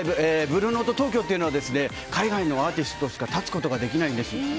ブルーノート東京というのは海外のアーティストしか立つことができないんです。